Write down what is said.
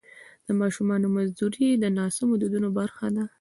د ماشومانو مزدوري د ناسمو دودونو برخه ده.